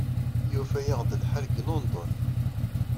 Yufa-aɣ-d lḥal deg London.